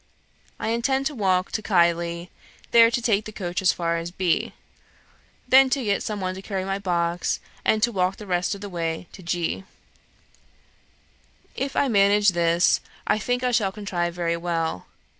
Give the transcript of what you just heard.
I intend to walk to Keighley, there to take the coach as far as B , then to get some one to carry my box, and to walk the rest of the way to G . If I manage this, I think I shall contrive very well.